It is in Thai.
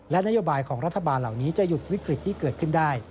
และนโยบายของรัฐบาลเหล่านี้จะหยุดวิกฤตที่เกิดขึ้นได้